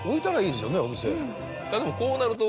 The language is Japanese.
でもこうなると。